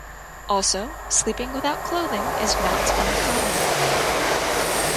Also, sleeping without clothing is not uncommon.